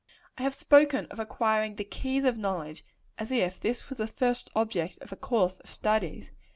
I have spoken of acquiring the keys of knowledge, as if this were the first object of a course of studies.